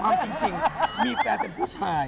แต่ความจริงมีแฟนเป็นผู้ชาย